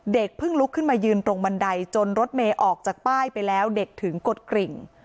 เพิ่งลุกขึ้นมายืนตรงบันไดจนรถเมย์ออกจากป้ายไปแล้วเด็กถึงกดกริ่ง